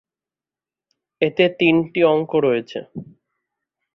এতে তিনটি অঙ্ক রয়েছে।